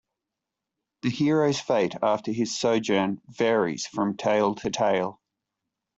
The hero's fate after his sojourn varies from tale to tale.